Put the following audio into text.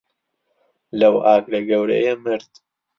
لەو ئاگرە گەورەیە مرد.